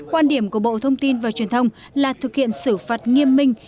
quan điểm của bộ thông tin và truyền thông là thực hiện xử phạt nghiêm minh